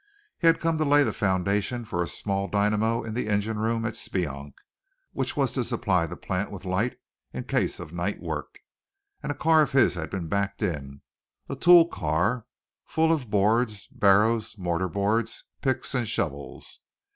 He had come to lay the foundation for a small dynamo in the engine room at Speonk, which was to supply the plant with light in case of night work, and a car of his had been backed in, a tool car, full of boards, barrows, mortar boards, picks and shovels.